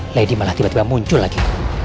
lady malah tiba tiba muncul lagi